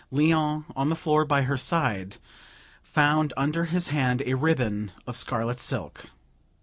Léon, on the floor by her side, found under his hand a ribbon of scarlet silk.